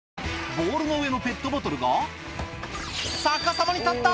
ボールの上のペットボトルが逆さまに立った！